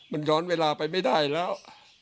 มันย้อนเวลาไปไม่ได้แล้ว